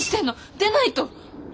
出ないと！